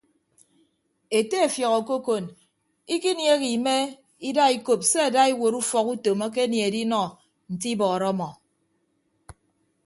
Ete efiọk okokon ikiniehe ime ida ikop se ada iwuot ufọk utom akenie edinọ nte ibọọrọ ọmọ.